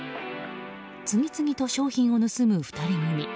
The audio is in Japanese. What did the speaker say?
次々と商品を盗む２人組。